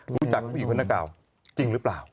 รู้จักผู้หญิงคนหน้าเก่าจริงหรือเปล่า